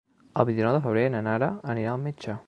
El vint-i-nou de febrer na Nara anirà al metge.